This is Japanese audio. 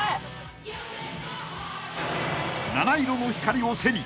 ［七色の光を背に］